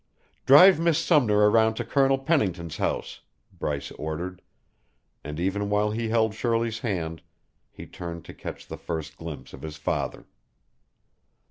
"Drive Miss Sumner around to Colonel Pennington's house," Bryce ordered, and even while he held Shirley's hand, he turned to catch the first glimpse of his father.